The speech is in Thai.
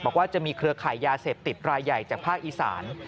บอกว่าจะมีเครือขายยาเสพติดรายใหญ่จากภาคอีสาน